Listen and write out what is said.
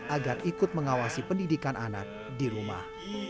agar ikut mengawasi pendidikan anak di rumah